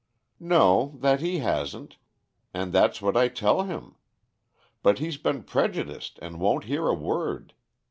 "No, that he hasn't; and that's what I tell him. But he's been prejudiced and won't hear a word.